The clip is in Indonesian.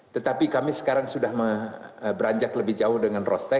tetapi kami sekarang sudah beranjak lebih jauh dengan roaste